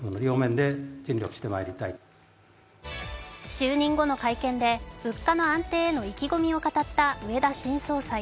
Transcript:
就任後の会見で、物価の安定への意気込みを語った植田新総裁。